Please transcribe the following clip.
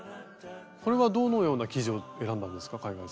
これはどのような生地を選んだんですか海外さん。